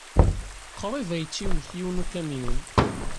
Qrib ay tt-iwit yiwen n ukamyun.